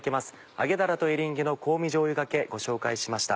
「揚げだらとエリンギの香味じょうゆがけ」ご紹介しました。